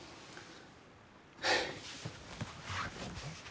はあ。